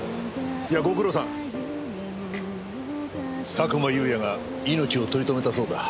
佐久間有也が命を取りとめたそうだ。